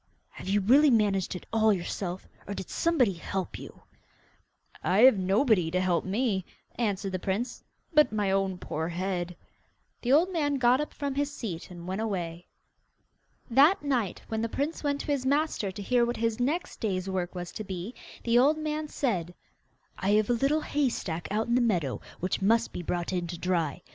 'Have you really managed it all yourself, or did somebody help you?' 'I have nobody to help me,' answered the prince, 'but my own poor head.' The old man got up from his seat and went away. That night, when the prince went to his master to hear what his next day's work was to be, the old man said: 'I have a little hay stack out in the meadow which must be brought in to dry.